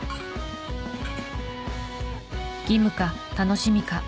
義務か楽しみか。